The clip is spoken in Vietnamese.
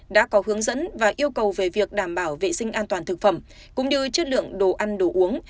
đã có hướng dẫn và yêu cầu về việc đảm bảo vệ sinh an toàn thực phẩm cũng như chất lượng đồ ăn đồ uống